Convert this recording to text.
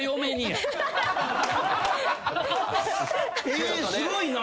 えすごいな。